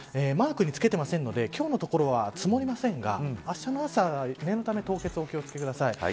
マークにつけていませんので今日のところは積もりませんが明日の朝は念のため凍結にお気をつけください。